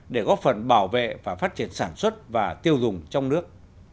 để góp phần bảo vệ và phát triển sản xuất và tiêu dùng trong nước